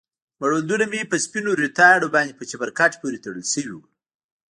مړوندونه مې په سپينو ريتاړو باندې په چپرکټ پورې تړل سوي وو.